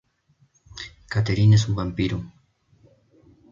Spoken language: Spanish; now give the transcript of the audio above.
Katherine es un vampiro.